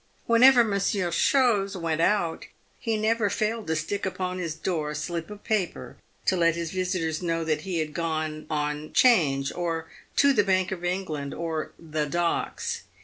"Whenever Mon sieur Chose went out, he never failed to stick upon his door a slip of paper to let his visitors know that he had gone " on 'Change," or to " the Bank of England," or " the Docks."